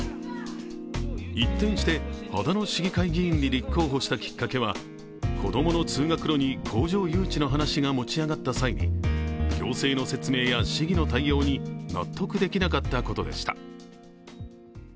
一転して、秦野市議会議員に立候補したきっかけは、子供の通学路に工場誘致の話が持ち上がった際に行政の説明や市議の対応に納得できなかったことでした。